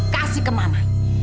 kasih ke mama